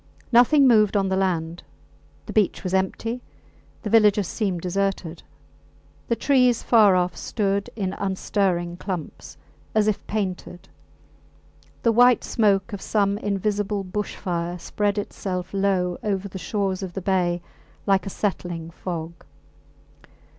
Nothing moved on the land. The beach was empty, the villages seemed deserted; the trees far off stood in unstirring clumps, as if painted; the white smoke of some invisible bush fire spread itself low over the shores of the bay like a settling fog.